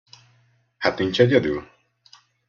Hát nincs egyedül?